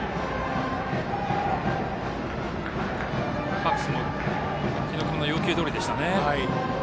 ハッブスも日隈君の要求どおりでしたね。